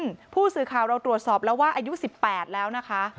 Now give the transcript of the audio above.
ผู้สื่อข่าวเราตรวจสอบแล้วว่าอายุ๑๘แล้วนะคะ